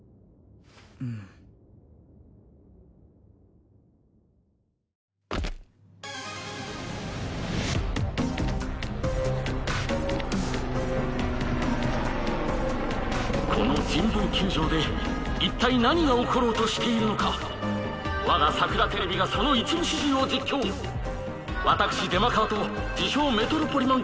うんこの神保球場で一体何が起ころうとしているのか我がさくらＴＶがその一部始終を実況私出間川と自称メトロポリマン